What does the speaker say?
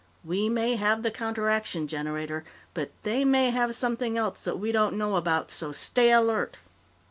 We may have the counteraction generator, but they may have something else that we don't know about. So stay alert.